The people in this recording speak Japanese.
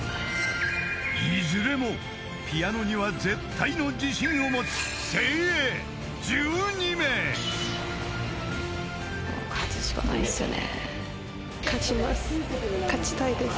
［いずれもピアノには絶対の自信を持つ精鋭１２名］勝ちたいです。